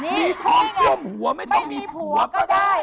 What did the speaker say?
มีทองท่มหัวไม่มีผัวก็ได้